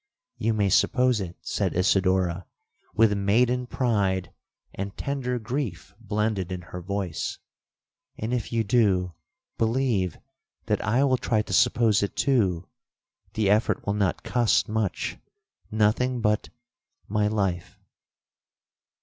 '—'You may suppose it,' said Isidora, with maiden pride and tender grief blended in her voice; 'and if you do, believe that I will try to suppose it too; the effort will not cost much,—nothing but—my life!'